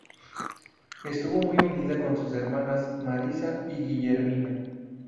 Estuvo muy unida con sus hermanas Marisa y Guillermina.